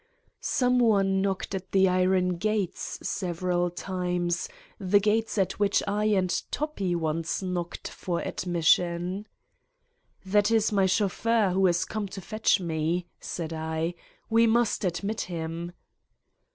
... Some one knocked at the iron gates several times, the gates at which I and Toppi once knocked for admission. "That is my chauffeur, who has come to fetch me," said I: "we must admit him."